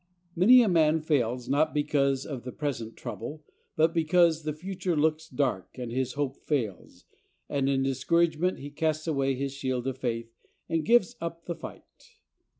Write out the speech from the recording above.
Many a man fails, not because of the present trouble, but because the future looks dark and his hope fails, and in discouragement he casts away his shield of faith and gives up the fight.